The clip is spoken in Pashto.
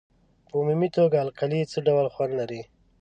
په عمومي توګه القلي څه ډول خوند لري؟